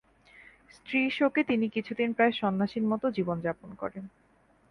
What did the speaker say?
স্ত্রীর শোকে তিনি কিছুদিন প্রায় সন্ন্যাসীর মতো জীবনযাপন করেন।